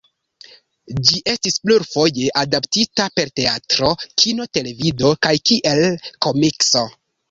Ĝi estis plurfoje adaptita por teatro, kino, televido kaj kiel komikso.